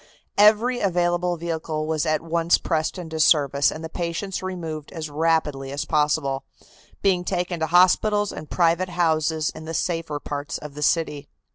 Every available vehicle was at once pressed into service and the patients removed as rapidly as possible, being taken to hospitals and private houses in the safer parts of the city.